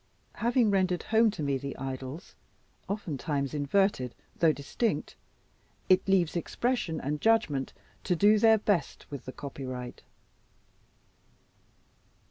Having rendered home to me the idols (oftentimes inverted, though distinct) it leaves expression and judgment to do their best with the copyright.